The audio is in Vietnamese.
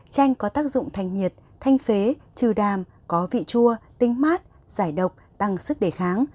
tranh có tác dụng thành nhiệt thanh phế trừ đàm có vị chua tinh mát giải độc tăng sức đề kháng